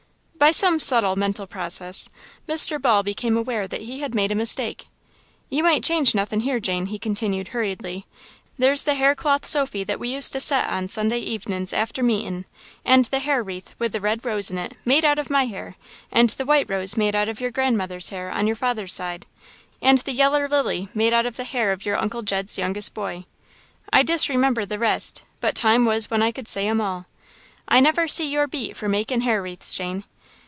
By some subtle mental process, Mr. Ball became aware that he had made a mistake. "You ain't changed nothin' here, Jane," he continued, hurriedly, "there's the haircloth sofy that we used to set on Sunday evenins' after meetin', and the hair wreath with the red rose in it made out of my hair and the white rose made out of your grandmother's hair on your father's side, and the yeller lily made out of the hair of your Uncle Jed's youngest boy. I disremember the rest, but time was when I could say'm all. I never see your beat for makin' hair wreaths, Jane.